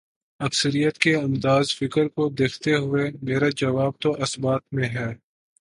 اکثریت کے انداز فکر کو دیکھتے ہوئے، میرا جواب تو اثبات میں ہے۔